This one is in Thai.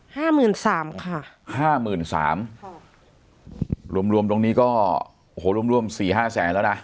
ห้าหมื่นสามค่ะห้าหมื่นสามค่ะรวมรวมตรงนี้ก็โอ้โหรวมรวมสี่ห้าแสนแล้วนะ